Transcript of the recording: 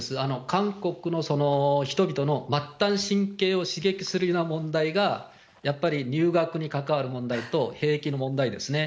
韓国の人々の末端神経を刺激するような問題がやっぱり入学に関わる問題と、兵役の問題ですね。